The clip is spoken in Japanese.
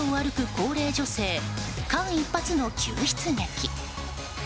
高齢女性間一髪の救出劇！